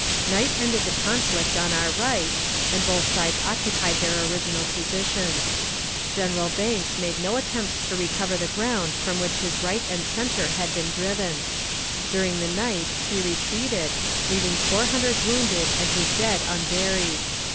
Night ended the conflict on our right, and both sides occupied their original positions. General Banks made no attempt to recover the ground from which his right and center had been driven. During the night he retreated, leaving four hundred wounded, and his dead unburied.